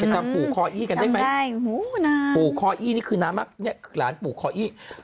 ทำปู่คออี้กันได้ไหมปู่คออี้นี่คือน้ำหลานปู่คออี้จำได้อู้วน้ำ